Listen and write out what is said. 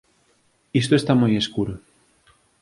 Isto está moi escuro.